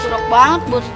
serap banget bos